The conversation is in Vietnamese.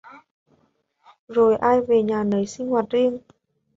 Rồi ai về nhà nấy sinh hoạt riêng